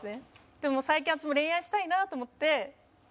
でも最近私も恋愛したいなと思って会ってみたら